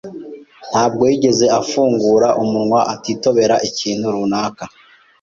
Ntabwo yigeze afungura umunwa atitobera ikintu runaka.